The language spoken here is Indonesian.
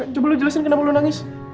coba lu jelasin kenapa lu nangis